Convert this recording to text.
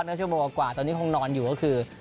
ชั่วโมงกว่าตอนนี้คงนอนอยู่ก็คือ